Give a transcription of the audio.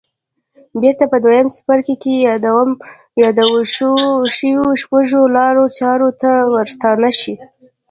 بېرته په دويم څپرکي کې يادو شويو شپږو لارو چارو ته ورستانه شئ.